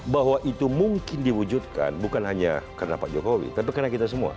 bahwa itu mungkin diwujudkan bukan hanya karena pak jokowi tapi karena kita semua